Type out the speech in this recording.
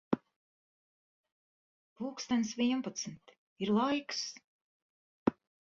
Pulkstens vienpadsmit. Ir laiks.